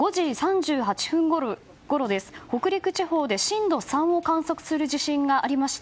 午後５時３８分ごろ北陸地方で震度３を観測する地震となりました。